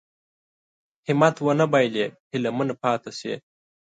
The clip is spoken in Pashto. همت ونه بايلي هيله من پاتې شي.